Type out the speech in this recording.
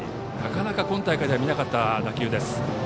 なかなか今大会では見なかった打球です。